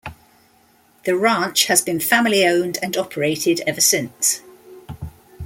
The ranch has been family owned and operated ever since.